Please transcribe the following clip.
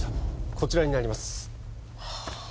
こちらになります